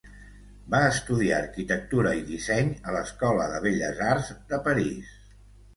Va estudiar arquitectura i disseny a l'escola de Belles Arts de París.